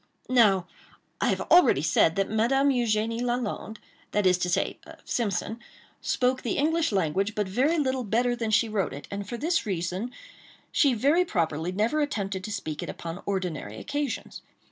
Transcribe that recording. Now I have already said that Madame Eugénie Lalande—that is to say, Simpson—spoke the English language but very little better than she wrote it, and for this reason she very properly never attempted to speak it upon ordinary occasions.